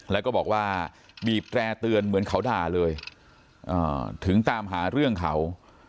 แล้วก็บอกว่าบีบแตร่เตือนเหมือนเขาด่าเลยถึงตามหาเรื่องเขา